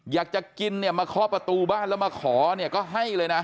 อยากจะกินเนี่ยมาเคาะประตูบ้านแล้วมาขอเนี่ยก็ให้เลยนะ